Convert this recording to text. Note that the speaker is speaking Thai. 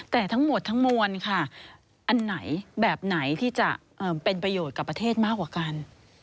แต่ทั้งหมดทั้งมวลค่ะอันไหนแบบไหนที่จะเป็นประโยชน์กับประเทศมากกว่ากัน